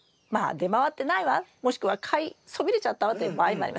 「出回ってないわ」もしくは「買いそびれちゃったわ」っていう場合もあります。